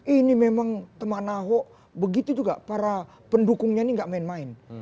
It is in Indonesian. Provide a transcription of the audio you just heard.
ini memang teman ahok begitu juga para pendukungnya ini gak main main